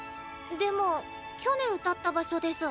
でも去年歌った場所デス。